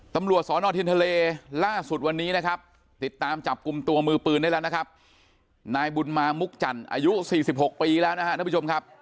ตำรวจสอนอทินทะเลล่าสุดวันนี้นะครับติดตามจับกลุ่มตัวมือปืนได้แล้วนะครับนายบุญมามุกจันทร์อายุ๔๖ปีแล้วนะครับท่านผู้ชมครับ